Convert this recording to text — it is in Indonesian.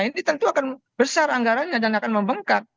ini tentu akan besar anggarannya dan akan membengkak